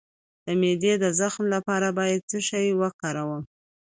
د معدې د زخم لپاره باید څه شی وکاروم؟